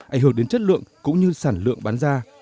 ảnh hưởng đến chất lượng cũng như sản lượng bán ra